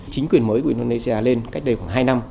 chính quyền mới của indonesia lên cách đây khoảng hai năm